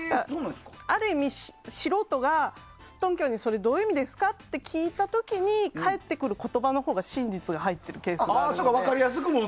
ある意味、素人がすっとんきょんにそれをどういう意味ですかって聞いた時に返ってくる言葉のほうが真実が入っている傾向があるので。